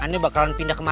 ini bakalan pindah ke rumah